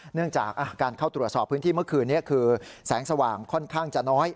เนื่องจากการเข้าตรวจสอบพื้นที่เมื่อคืนนี้คือแสงสว่างค่อนข้างจะน้อย